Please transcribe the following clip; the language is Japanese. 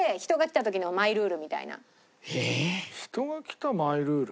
そういう人が来たマイルール？